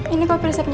ini kok resepnya